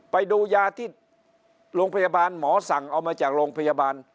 ไปดูยาที่โรงพยาบาลหมอสั่งเอามาจากโรงพยาบาล